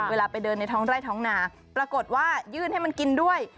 เวลาไปเดินในท้องไร่ท้องนาปรากฏว่ายื่นให้มันกินด้วย